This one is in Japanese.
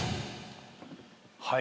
はい。